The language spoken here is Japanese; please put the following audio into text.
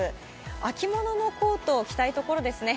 秋物のコートを着たいところですね。